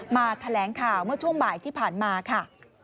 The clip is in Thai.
แถลงข่าวเมื่อช่วงบ่ายที่ผ่านมาค่ะ